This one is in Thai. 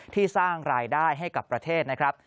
สร้างรายได้ให้กับประเทศนะครับ